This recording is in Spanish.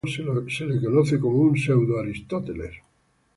Debido a esto, al autor se lo conoce como un Pseudo-Aristóteles.